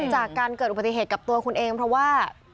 จากการเกิดอุบัติเหตุกับตัวคุณเองเพราะว่า